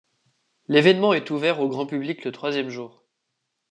L'événement est ouvert au grand public le troisième jour.